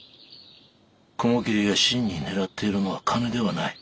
雲霧が真に狙っているのは金ではない。